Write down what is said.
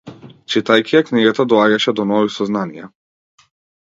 Читајќи ја книгата доаѓаше до нови сознанија.